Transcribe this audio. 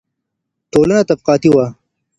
ټولنه طبقاتي وه.